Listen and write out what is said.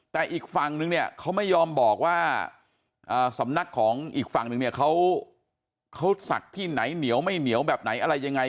แต่อีกฝั่งนึงเนี่ยเขาไม่ยอมบอกว่าสำนักของอีกฝั่งนึงเนี่ยเขาศักดิ์ที่ไหนเหนียวไม่เหนียวแบบไหนอะไรยังไง